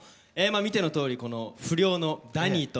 見てのとおりこの不良のダニーと。